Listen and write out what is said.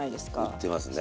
売ってますね。